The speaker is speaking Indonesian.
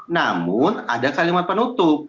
namun ada kalimat penutup